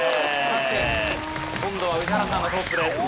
今度は宇治原さんがトップです。